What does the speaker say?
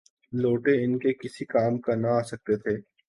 لوٹے ان کے کسی کام نہ آ سکتے تھے۔